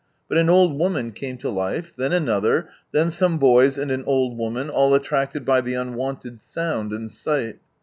But an old woman came to hfe, then another ; then some boys and an old woman, all attracted by the unwonted sound and sight.